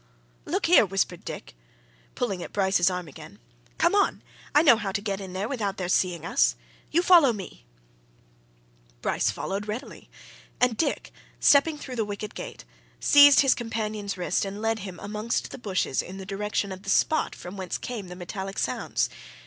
"Look here!" whispered Dick, pulling at Bryce's arm again. "Come on! I know how to get in there without their seeing us. You follow me." Bryce followed readily, and Dick stepping through the wicket gate, seized his companion's wrist and led him amongst the bushes in the direction of the spot from whence came the metallic sounds.